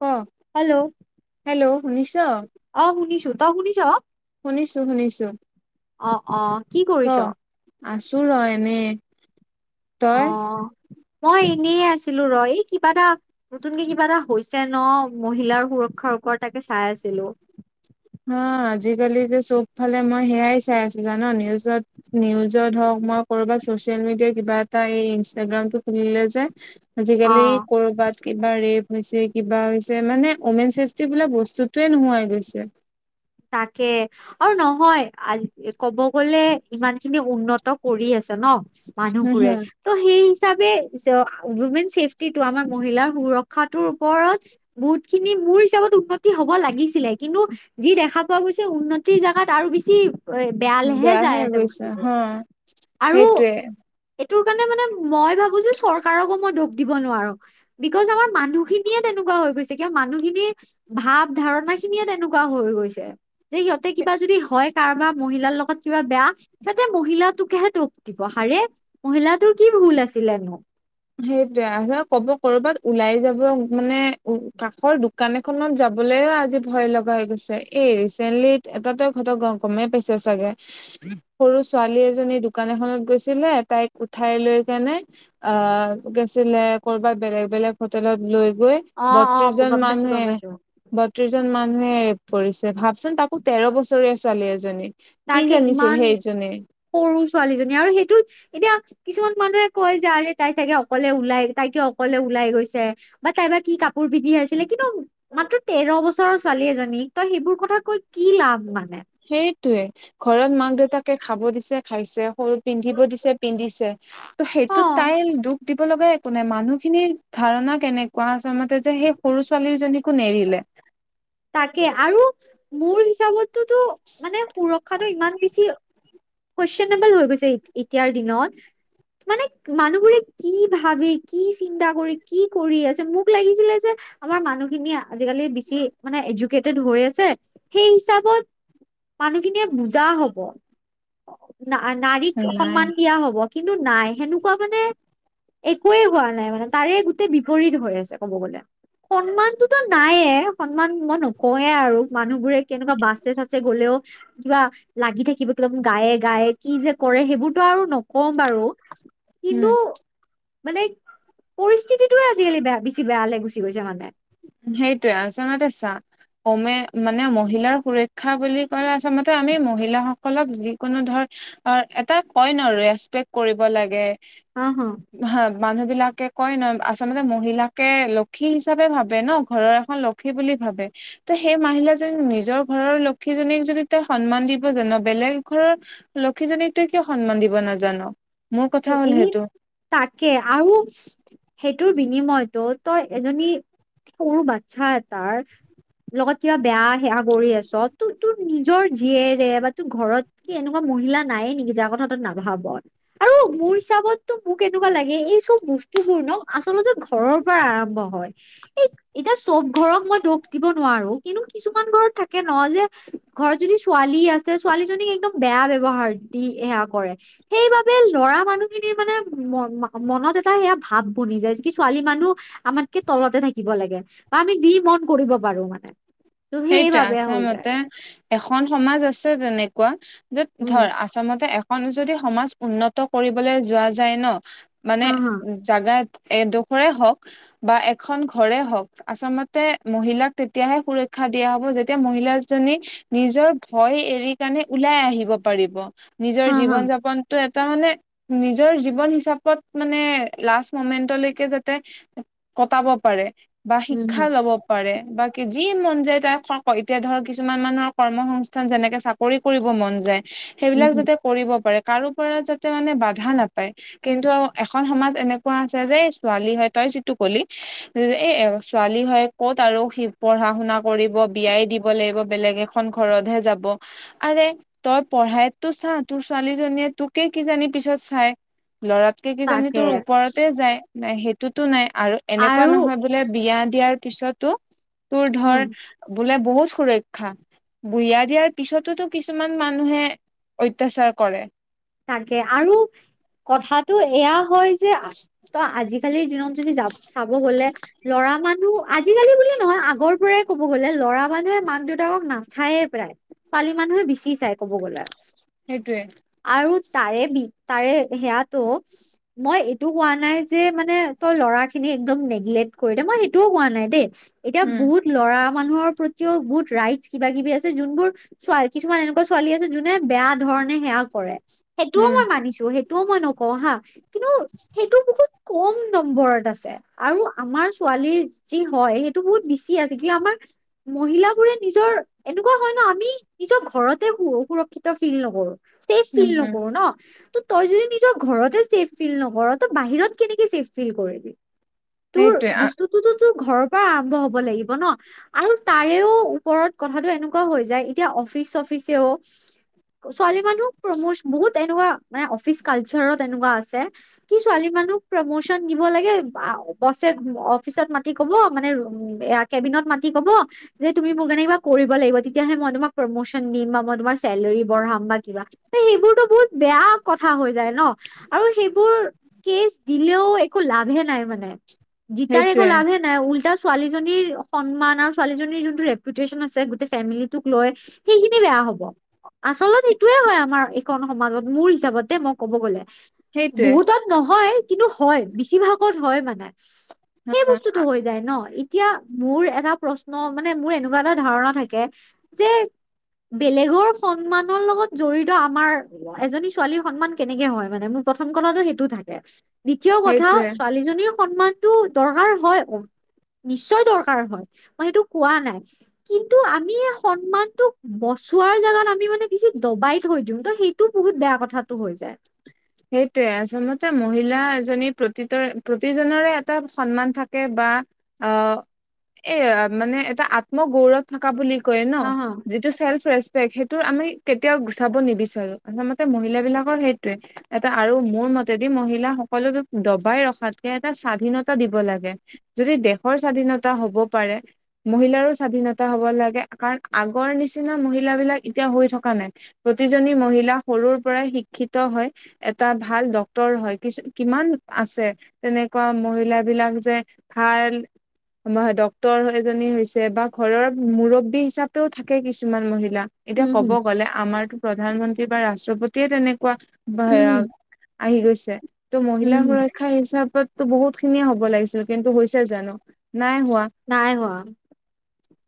ক? Hello, hello, শুনিছ? অ' শুনিছো তই শুনিছ। শুনিছোঁ-শুনিছোঁ। অ'-অ' কি কৰিছ? আছোঁ ৰ এনেই, অ তই? মই এনেই আছিলোঁ ৰ' এই কিবা এটা নতুনকে কিবা এটা হৈছে ন' মহিলাৰ সুৰক্ষাৰ ওপৰত তাকে চাই আছিলোঁ। হা আজিকালি যে চবফালে মই সেয়াই চাই আছোঁ জান নিউজত নিউজত হওক মই কৰবা চচিয়েল মিডিয়া কিবা এটা এই ইনষ্টাগ্ৰামটো খুলিলে যে আজিকালি অ ক'ৰবাত কিবা ৰেপ হৈছে কিবা হৈছে মানে উমেন ছেফটি বোলা বস্তুতোৱে নোহোৱা হৈ গৈছে। তাকে আৰু নহয় আজি ক'ব গ'লে ইমান খিনি উন্নত ত কৰি আছে ন' হম মানুহবোৰে। হম ত' সেই হিচাপে উমেন ছেফটিটো আমাৰ মহিলাৰ সুৰক্ষাটোৰ ওপৰত বহুত খিনি মোৰ হিচাপত উন্নতি হ'ব লাগিছিলে কিন্তু যি দেখা দেখা পোৱা গৈছে উন্নতিৰ জেগাত আৰু বেছি এ বেয়ালেহে বেয়াহে যায় হৈ আছে গৈছে বস্তুবোৰ হা আৰু সেইটোৱে এইটোৰ কাৰণে মানে মই ভাবো যে চৰকাৰকো মই দুখ দিব নোৱাৰোঁ। বিকজ আমাৰ মানুহখিনিয়ে তেনেকুৱা হৈ গৈছে কিয় মানুহখিনিৰ ভাৱ ধাৰণা খিনিয়ে তেনেকুৱা হৈ গৈছে যে সিহঁতে কিবা যদি হয় কাৰোবাক মহিলাৰ লগত কিবা বেয়া সিহঁতে মহিলাটোকেহে দুখ দিব, হাৰে মহিলাটোৰ কি ভুল আছিলেনো। সেইটোৱে আৰু কব কৰবাত ওলাই যাব মানে উম কাষৰ দো দোকান এখনত যাবলৈও আজি ভয় লগা হৈ গৈছে। এই ৰিচেণ্টলি এটাতে ঘট গম গমেই পাইছ চাগে। সৰু ছোৱালী এজনী দোকান এখনত গৈছিলে তাইক উঠাই লৈ কেনে অ' গৈছিলে কৰবাত বেলেগ-বেলেগ হোটেলত লৈ গৈ অ অ বত্ৰিশ জন গম পাইছো গম মানুহে পাইছো বত্ৰিশজন মানুহে ৰেপ কৰিছে, ভাবচোন তাকো তেৰ বছৰীয়া ছোৱালী এজনী। কি তাকে জানিছিল ইমান সেইজনীয়ে। সৰু ছোৱালীজনী আৰু সেইটো এতিয়া কিছুমান মানুহে কয় যে আৰে তাই চাগে অকলে ওলাই তাইকে অকলে ওলাই গৈছে বা তাই বা কি কাপোৰ পিন্ধি আছিলে, কিন্তু মাত্ৰ তেৰ বছৰৰ ছোৱালী এজনীক তই সেইবোৰ কথা কৈ কি লাভ মানে। সেইটোৱে ঘৰত মাক দেউতাকে খাব দিছে খাইছে, সৰু পিন্ধিব দিছে পিন্ধিছে। ত' অ সেইটোত তাই দুখ দিব লগা একো নাই মানুহখিনিৰ ধাৰণা কেনেকুৱা আছে আমাৰ [unintelligible] যে সেই সৰু ছোৱালীজনীকো নেৰিলে। তাকে আৰু মোৰ হিচাপটোতো মানে সুৰক্ষাটো ইমান বেছি কুৱেশন নেবেল হৈ গৈছে এতিয়াৰ দিনত মানে মানুহবোৰে কি ভাবে কি চিন্তা কৰে কি কৰি আছে মোক লাগিছিলে যে আমাৰ মানুহখিনি আজিকালি বেছি মানে এডুকেটেড হৈ আছে সেই হিচাপত মানুহ খিনিয়ে বুজা হ'ব না নাৰীক নাই। সন্মান দিয়া হ'ব কিন্তু নাই সেনেকুৱা মানে একোৱেই হোৱা নাই মানে তাৰে গোটেই বিপৰীত হৈ আছে ক'ব গ'লে। সন্মানটোতো নায়ে সন্মান মই নকয়ো আৰু মানুহবোৰে কেনেকুৱা বাছে চাছে গ'লেও কিবা লাগি থাকিব কিবা গায়ে-গায়ে কি যে কৰে সেইবোৰতো আৰু নকওঁ বাৰু কিন্তু উম মানে পৰিস্থিতিটোৱে আজিকালি বেয়া বেছি বেয়া লৈ গুচি গৈছে মানে। সেইটোৱে আচলতে চা উমেন মানে মহিলাৰ সুৰক্ষা বুলি ক'লে আচলতে আমি মহিলাসকলক যিকোনো ধৰ [unintelligible] এটা কৈ ন' ৰেচপেক্ট কৰিব লাগে। অ হ হা মানুহ বিলাকে কয় ন আচলতে মহিলাকে লক্ষী হিচাপে ভাব ন ঘৰৰ এখন লক্ষী বুলি ভাবে। ত সেই মাহিলাজনী নিজৰ ঘৰৰ লক্ষ্মী জনি‌ যদি তই সন্মান দিব জান বেলেগ ঘৰৰ লক্ষীজনীক তই কিয় সন্মান দিব নাজান। মোৰ কথা হ'ল এই সেইটো তাকে আৰু সেইটোৰ বিনিময়তটো তই এজনী সৰু বাচ্ছা এটাৰ লগত কিয় বেয়া সেৱা কৰি আছ তো তোৰ নিজৰ জীয়েৰে বা তোৰ ঘৰত কি এনেকুৱা মহিলা নায়ে নেকি যাৰ কথা তই নাভাব। আৰু মোৰ হিচাপতো মোক এনেকুৱা লাগে এই চব বস্তুবোৰ ন আচলতে ঘৰৰ পৰা আৰম্ভ হয়। এই এতিয়া চব ঘৰক মই দোষ দিব নোৱাৰোঁ কিন্তু কিছুমান ঘৰত থাকে ন যে- ঘৰত যদি ছোৱালী আছে ছোৱালীজনীক একদম বেয়া ব্যৱহাৰ দি সেয়া কৰে সেইবাবে, ল'ৰা মানুহখিনিৰ মানে ম মনত এটা সেয়া ভাৱ বনি যায় কি ছোৱালী মানুহ। আমাতকে তলতে থাকিব লাগে বা আমি যি মন কৰিব পাৰোঁ মানে। ত সেইটোৱে সেইবাবে হৈ যায় আছলতে এখন সমাজ আছে তেনেকুৱা য'ত উম ধৰ আচমতে যদি সমাজ উন্নত কৰিবলৈ যোৱা যায় ন হা মানে হা জাগাত এডোখৰে হওঁক বা এখন ঘৰে হওঁক আচলতে মহিলাক তেতিয়াহে সুৰক্ষা শিক্ষা দিয়া হ'ব যেতিয়া মহিলাজনী নিজৰ ভয় এৰি কেনে ওলাই আহিব পাৰিব। নিজৰ হা হা জীৱন যাপন। ত এটা মানে নিজৰ জীৱন হিচাপত মানে লাষ্ট মুমেন্টলৈকে যাতে কটাব পাৰে বা উম শিক্ষা হম ল'ব পাৰে বাকী যি মন যে তাই এতিয়া ধৰ কিছুমান মানুহৰ কৰ্ম সংস্থান যেনেকে চাকৰি কৰিব মন যায়। উম সেইবিলাক হম যাতে কৰিব পাৰে কাৰো পৰা যাতে মানে বাধা নাপায়। কিন্তু এখন সমাজ এনেকুৱা আছে যে ছোৱালী হয় তই যিটো কলি এ ছোৱালী হয় ক'ত আৰু পঢ়া শুনা- কৰিব বিয়াই দিব লাগিব বেলেগ এখন ঘৰতহে যাব। আৰে তই পঢ়াই তো চা তোৰ ছোৱালীজনীয়ে তোকে কি জানি পিছত চাই। লৰাতকে কিজানি তাকে তোৰ ওপৰতে যায় নাই সেইটোতো নাই আৰু এনেকুৱা নহয় ব বোলে বিয়া দিয়াৰ পিছতো তোৰ উম ধৰ বোলে বহুত সুৰক্ষা। বুঞা দিয়াৰ পিছতোতো কিছুমান মানুহে অত্যাচাৰ কৰে। তাকে আৰু কথাটো এয়া হয় যে ত আজি আলিৰ দিনত যদি য চাব গ'লে ল'ৰা মানুহ আজিকালি বুলি নহয় আগৰ পৰাই ক'ব গ'লে ল'ৰা মানুহে মাক দেউতাকক নাচায়েই প্ৰায়। ছোৱালী মানুহে বেচি চাই ক'ব গ'লে। সেইটোৱে, আৰু তাৰে বি তাৰে সেয়াতো মই এইটো কোৱা নাই যে মানে তই ল'ৰা খিনি একদম নেগলেক্ট কৰি দে মই সেইটোও কোৱা নাই দেই। এতিয়া উম বহুত ল'ৰা মানুহৰ প্ৰতিও বহুত ৰাইট কিবা কিবি আছে যোনবোৰ চোৱা কিছুমান এনেকুৱা ছোৱালী আছে যোনে বেয়া ধৰণে সেৱা কৰে সেইটোও উম মই মানিছো সেইটোও মই নকওঁ হা কিন্তু সেইটো বহুত কম নম্বৰত আছে। আৰু আমাৰ ছোৱালীৰ যি হয় সেইটো বহুত বেছি আছে কিয় আমাৰ মহিলাবোৰে নিজৰ। এনেকুৱা হয় ন আমি নিজৰ ঘৰতে সুৰক্ষিত ফিল নকৰোঁ। সেই উম ফিল উম নকৰোঁ ন ত তই যদি নিজৰ ঘৰতে ছেফ ফিল নকৰ তই বাহিৰত কেনেকে ছেফ ফিল কৰিবি। তোৰ সেইটোৱে বস্তুটোতো তোৰ ঘৰৰ পৰা আৰম্ভ হ'ব লাগিব ন। আৰু তাৰেও ওপৰত কথাটো এনেকুৱা হৈ যায় এতিয়া অফিচ চফিচেও ছোৱালী মানুহক প্ৰমচ বহুত এনেকুৱা মানে অফিচ কালচাৰত তেনেকুৱা আছে। কি ছোৱালী মানুহক প্ৰমোচন দিব লাগে বছে অফিচত মাতি কব মানে উম এয়া কেবিনত মাতি কব যে তুমি মোক কেনে কিবা কৰিব লাগিব তেতিয়াহে মই তোমাক প্ৰমোচন দিম বা মই তোমাৰ চেললেৰি বঢ়াম বা কিবা। এ সেইবোৰতো বহুত বেয়া কথা হৈ যায় ন। আৰু সেইবোৰ কেচ দিলেও একো লাভে নাই মানে জিতাৰ একো সেইটোৱে লাভে নাই উল্টা ছোৱালীজনীৰ সন্মান আৰু ছোৱালীজনীৰ যোনটো ৰেপোটেচন আছে গোটেই ফেমিলিটোক লৈ সেইখিনি বেয়া হব, আচলতে সেইটোয়ে হয় আ আমাৰ এইখন সমাজত মোৰ হিচাপতে মই কব গ'লে, সেইটোৱে বহুতত নহয়। কিন্তু হয় বেছিভাগত হয় মানে সেই বস্তুতো হৈ যায় ন। এতিয়া মোৰ এটা প্ৰশ্ন মানে মোৰ এনেকুৱা এটা ধাৰণা থাকে যে বেলেগৰ সন্মানৰ লগত জড়িত আমাৰ এজনী ছোৱালীৰ সন্মান কেনেকে হয় মানে মোৰ প্ৰথম কথাতো সেইটো থাকে। দ্বিতীয় কথা সেইটোৱে ছোৱালীজনীৰ সন্মানটো দৰকাৰ হয় অ নিশ্চয় দৰকাৰ হয় মই সেইটো কোৱা নাই। কিন্তু আমি এই সন্মানটোক বচোৱাৰ জাগাত আমি মানে বেছি দবাই থৈ দিওঁ ত সেইটো বহুত বেয়া কথাটো হৈ যায়। সেইটোৱে আচলতে মহিলা এজনী প্ৰতিতৰে প্ৰতিজনৰে এটা সন্মান থাকে বা অ' এ মানে এটা আত্মগৌৰৱ থকা বুলি কয় ন। হা হা যি টো চেল্ফ ৰেচপেক্ট সেইটো আমি কেতিয়াও গুচাব নিবিচাৰো আচলতে মহিলা বিলাকৰ সেইটোয়ে এটা আৰু মোৰ মতেদি মহিলা সকলোকে দবাই ৰখাতকে এটা স্বাধীনতা দিব লাগে। যদি দেশৰ স্বাধীনতা হব পাৰে। মহিলাৰো স্বাধীনতা হ'ব লাগে কাৰণ আগৰ নিচিনা মহিলা বিলাক এতিয়া হৈ থকা নাই। প্ৰতিজনী মহিলা সৰুৰ পৰাই শিক্ষিত হয়। এটা ভাল ডক্তৰ হয় কিছু কিমান আছে। তেনেকুৱা মহিলা বিলাক যে ভাল ডক্তৰ এজনী হৈছে বা ঘৰৰ মুৰব্বী হিচাপেও থাকে কিছুমান মহিলা। এতিয়া উম কব হম গ'লে আমাৰতো প্ৰধানমন্ত্ৰী বা ৰাষ্ট্ৰপতিয়ে উম হম তেনেকুৱা। আহি গৈছে ত' মহিলা উম হম সুৰ শিক্ষা হিচাপততো বহুত খিনিয়ে হ'ব লাগিছিল কিন্তু হৈছে জানো নাই হোৱা। নাই হোৱা।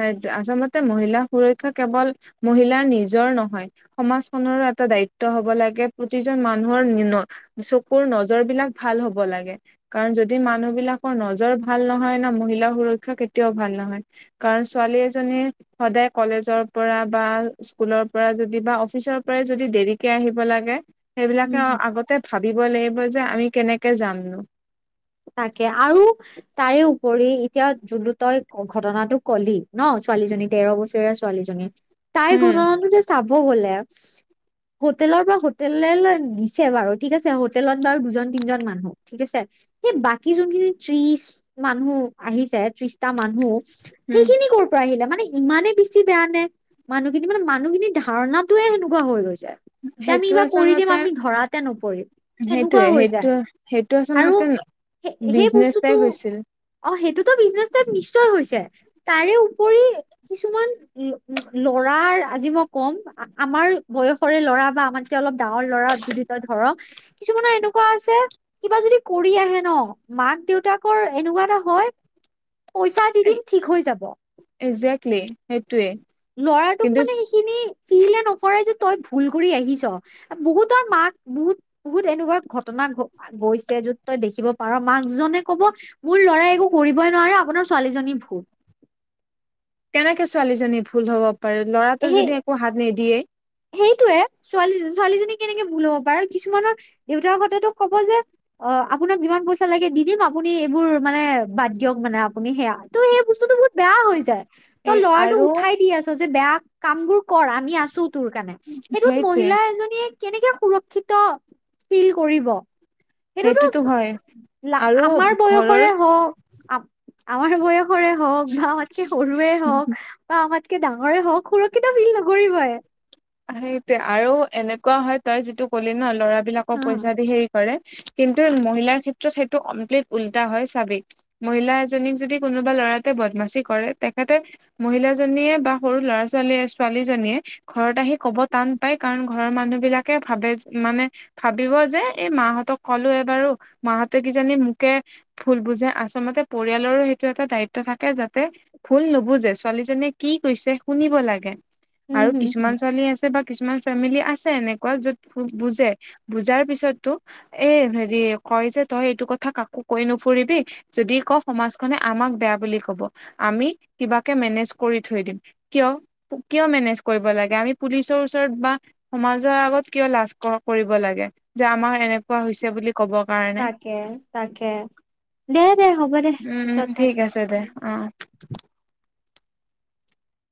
সেইটোৱে আচলতে মহিলা সুৰক্ষা কেৱল মহিলাৰ নিজৰ নহয়। সমাজখনৰো এটা দায়িত্ব হ'ব লাগে। প্ৰতিজন মানুহৰ চকুৰ নজৰ বিলাক ভাল হ'ব লাগে। কাৰণ যদি মানুহ বিলাকৰ নজৰ ভাল নহয় ন, মহিলাৰ সুৰক্ষা কেতিয়াও ভাল নহয়। কাৰণ ছোৱালী এজনীৰ- সদায় কলেজৰ পৰা বা স্কুলৰ পৰা যদি বা অফিচৰ পৰাই যদি দেৰিকে আহিব লাগে। সেইবিলাকে উম হম আগতে ভাবিব লাগিব যে আমি কেনেকে জানো। তাকে, আৰু তাৰে উপৰি এতিয়া যোনটো তই ঘটনাটো কলি। ন, ছোৱালীজনী তেৰ বছৰীয়া ছোৱালীজনী, তাইৰ উম ঘটনাটো যে চাব গ'লে - হোটেলৰ পৰা হোটেললে নিছে বাৰু ঠিক আছে, হোটেলত বাৰু দুজন তিনজন মানুহ। ঠিক আছে, সেই বাকী যোনখিনি ত্ৰিশ মানুহ আহিছে ত্ৰিশটা মানুহ- উম। সেইখিনি ক'ৰ পৰা আহিলে, মানে ইমানেই বেছি বেয়া নে। মানুহখিনি মানে মানুহখিনিৰ ধাৰণাটোয়ে সেনেকুৱা হৈ গৈছে। তে আমি সেইটো বা কৰি দিম আমি ধৰাতে নপৰিম। সেনেকুৱা সেইটোৱে, হৈ যায় সেইটো, সেইটো আৰু আচলতে বিজনেচ টাইপ হৈছিল। অহ ', সেইটোতো বিজনেচ টাইপ নিশ্চয় হৈছে। তাৰে উপৰি- কিছুমান লৰাৰ আজি মই ক'ম, আমাৰ বয়স- সৰে ল'ৰা বা আমাতকে অলপ ডাঙৰ ল'ৰা যদি তই ধৰ- কিছুমানৰ এনেকুৱা আছে, কিবা যদি কৰি আহে- ন, মাক দেউতাকৰ এনেকুৱা এটা হয়, পইচা দি দিম ঠিক হৈ যাব। একজেক্টলি সেইটোৱে। লৰাটোক কিন্তু মানে সেইখিনি ফিলে নকৰাই যে তই ভুল কৰি আহিছ। বহুতৰ মাক বহুত, বহুত এনেকুৱা ঘটনা ঘ- গৈছে, য'ত তই দেখিব পাৰ, মাকজনে ক'ব- মোৰ ল'ৰাই একো কৰিবই নোৱাৰে আপোনাৰ ছোৱালীজনী ভুল। কেনেকে ছোৱালীজনী ভুল হ'ব পাৰে ল'ৰাটো যদি একো হাত নিদিয়ে। সেইটোৱে, ছোৱালী-ছোৱালীজনী কেনেকে ভুল হ'ব পাৰে আৰু কিছুমানৰ- দেউতাক সঁতেতো ক'ব যে- অহ, আপোনাক যিমান পইচা লাগে দি দিম আপুনি এইবোৰ মানে বাদ দিয়ক মানে আপুনি সেয়া। ত'সেই বস্তুতো বহুত বেয়া হৈ যায়, এ তই ল'ৰাটোক আৰু উঠাই দি আছ যে বেয়া কাম বোৰ- কৰ আমি আছো তোৰ কাৰণে, সেইটোত সেইটোৱে মহিলা এজনীয়ে- কেনেকে সুৰক্ষিত ফিল কৰিব। সেইটোতো আৰু আমাৰ ঘৰৰ বয়সৰে হওঁক - আমাৰ বয়সৰে হওক বা আমাতকে সৰুৱে হওক বা আমাতকে ডাঙৰে হওক- সুৰক্ষিত ফিল নকৰিবই। সেইটোৱে আৰু এনেকুৱা হয় তই যিটো ক'লি ন লৰা বিলাকক উম, পইচা দি সেই- কৰে, কিন্তু মহিলাৰ ক্ষেত্ৰত সেইটো কমপ্লিট উল্টা হয় চাবি। মহিলা এজনীক যদি কোনোবা ল'ৰা এটাই বদমাচি কৰে, তেখেতে- মহিলাজনীয়ে বা সৰু ল'ৰা ছোৱালীয়ে ছোৱালীজনীয়ে- ঘৰত আহি ক'ব টান পায় কাৰণ ঘৰৰ মানুহ বিলাকে ভাবে মানে- ভাবিব যে এই মাহঁতক কলো এইবাৰু, মাহঁতে কিজানি মোকে- ভুল বুজে, আচলতে পৰিয়ালৰো সেইটো এটা দায়িত্ব থাকে যাতে- ভুল নুবুজে ছোৱালীজনিয়ে কি কৈছে শুনিব লাগে। হুম, আৰু হুম। কিছুমান ছোৱালী আছে বা কিছুমান ফেমিলি আছে এনেকুৱা য'ত বুজে, বুজাৰ পিছতো- এ হেৰি কয় যে তই এইটো কথা কাকো কৈ নুফুৰিবি, যদি ক সমাজখনে- আমাক বেয়া বুলি কব, আমি কিবাকে মেনেজ কৰি থৈ দিম। কিয়, কিয় মেনেজ কৰিব লাগে, আমি পুলিছৰ ওচৰত বা- সমাজৰ আগত কিয় লাজ কৰিব লাগে, যে আমাৰ এনেকুৱা হৈছে বুলি- ক'ব কাৰণে। তাকে - তাকে, দে - দে হ'ব দে উম পিছত ঠিক পাতিম। আছে দে অ